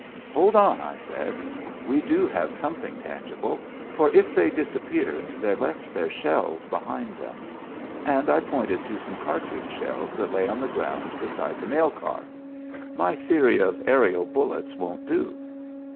"Hold on," I said. "We do have something tangible, for if they disappeared they left their shells behind them." And I pointed to some cartridge shells that lay on the ground beside the mail car. "My theory of aerial bullets won't do."